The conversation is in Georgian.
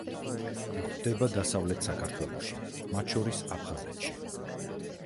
გვხვდება დასავლეთ საქართველოში, მათ შორის აფხაზეთში.